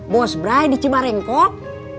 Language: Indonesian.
bos brai di cimarengkok